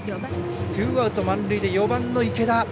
ツーアウト、満塁で池田。